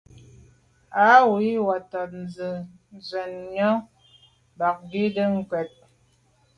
Á wʉ́ Wàtɛ̀ɛ́t nɔ́ɔ̀ nswɛ́ɛ̀n nyɔ̌ŋ bā ngə́tú’ cwɛ̀t.